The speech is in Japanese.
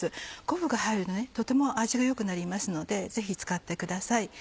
昆布が入るととても味が良くなりますのでぜひ使ってください。